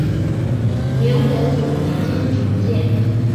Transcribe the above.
明洪武年间重建。